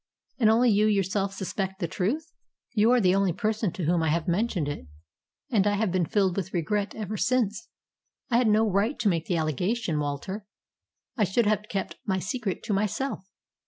"And only you yourself suspect the truth?" "You are the only person to whom I have mentioned it, and I have been filled with regret ever since. I had no right to make the allegation, Walter. I should have kept my secret to myself."